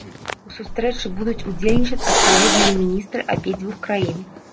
У сустрэчы будуць удзельнічаць адпаведныя міністры абедзвюх краін.